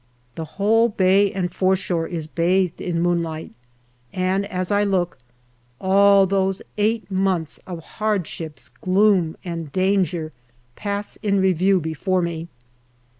The whole bay and foreshore is bathed in moonlight, and as I look, all those eight months of hardships, gloom, and danger pass in review before me.